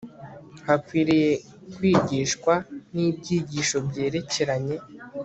hakwiriye kwigishwa nibyigisho byerekeranye